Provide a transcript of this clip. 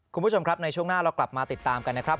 คุณผู้ชมครับในช่วงหน้าเรากลับมาติดตามกันนะครับ